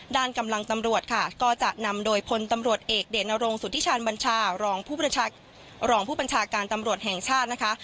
ด้านกำลังตำรวจค่ะก็จะนำโดยพลตำรวจเอกเดชนรงสุธิชาญบัญชารองผู้บัญชาการตำรวจแห่งชาตินะคะ